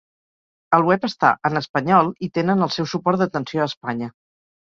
El web està en espanyol i tenen el seu suport d'atenció a Espanya.